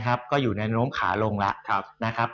ก็อยู่ในโน้มขาลงแล้วนะครับ